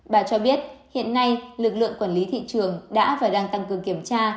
bà cho biết hiện nay lực lượng quản lý thị trường đã và đang tăng cường kiểm tra